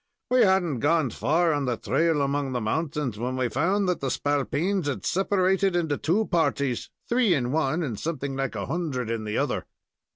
We had n't gone far on the trail among the mountains, when we found that the spalpeens had separated into two parties three in one, and something like a hundred in the other."